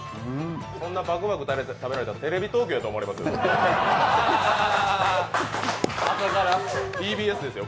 そんなバクバク食べたら、テレビ東京やと思われますよ。